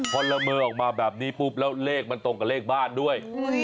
พอละเมอออกมาแบบนี้ปุ๊บแล้วเลขมันตรงกับเลขบ้านด้วย